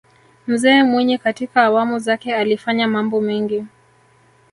mzee mwinyi katika awamu zake alifanya mambo mengi